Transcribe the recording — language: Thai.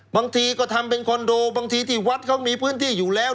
บางทีก็ทำเป็นคอนโดบางทีที่วัดเขามีพื้นที่อยู่แล้ว